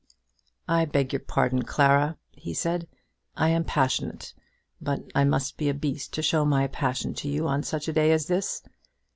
"I beg your pardon, Clara," he said, "I am passionate; but I must be a beast to show my passion to you on such a day as this.